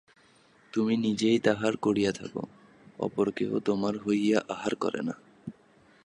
তুমি নিজেই আহার করিয়া থাক, অপর কেহ তোমার হইয়া আহার করে না।